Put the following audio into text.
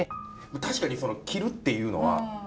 確かにその切るっていうのは脂を。